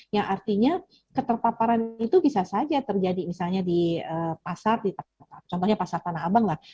yang artinya keterpaparan itu bisa saja terjadi misalnya di pasar contohnya pasar tanah abang lah